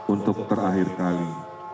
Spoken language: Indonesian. untuk terakhir kali